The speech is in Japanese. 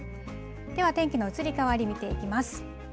では天気の移り変わり、見ていきます。